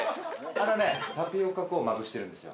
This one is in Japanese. あのねタピオカ粉をまぶしてるんですよ。